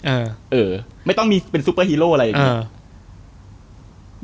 เออเออไม่ต้องมีเป็นซุปเปอร์ฮีโร่อะไรอย่างนี้